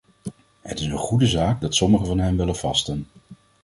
Het is een goede zaak dat sommigen van hen willen vasten.